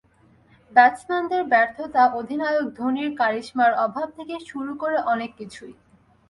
ব্যাটসম্যানদের ব্যর্থতা, অধিনায়ক ধোনির ক্যারিশমার অভাব থেকে শুরু করে অনেক কিছুই।